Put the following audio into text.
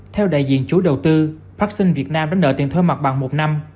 theo đại diện chủ đầu tư bắc sơn việt nam đã nợ tiền thuê mặt bằng một năm